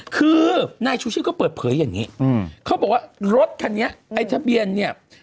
คือนายชูชีพก็เปิดเผยอย่างนี้เขาบอกว่ารถคันนี้ไอ้ทะเบียนเนี่ย